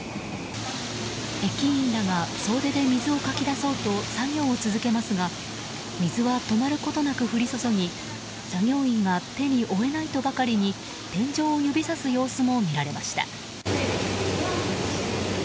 駅員らが総出で水をかき出そうと作業を続けますが水は止まることなく降り注ぎ作業員が手に負えないとばかりに天井を指さす様子も見られました。